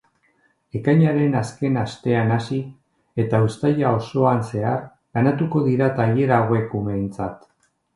Ekainaren azken astean hasi eta uztaia osoan zehar banatuko dira tailer hauek umeentzat.